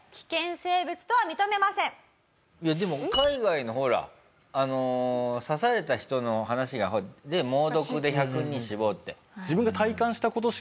いやでも海外のほらあの刺された人の話が猛毒で１００人死亡って。